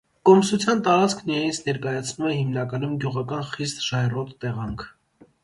Կոմսության տարածքն իրենից ներկայացնում է հիմնականում գյուղական խիստ ժայռոտ տեղանք։